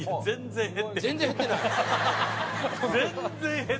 全然！